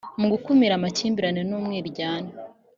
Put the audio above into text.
mugukumira amakimbirane nu mwiryane